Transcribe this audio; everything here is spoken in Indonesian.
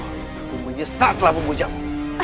aku menyesatlah memujamu